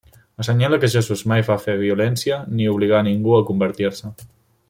Assenyala que Jesús mai va fer violència ni obligar a ningú a convertir-se.